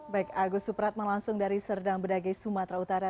baik agus suprat melangsung dari serdang bedage sumatera utara